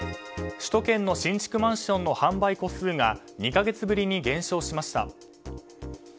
首都圏の新築マンションの販売戸数が２か月ぶりに減少しました。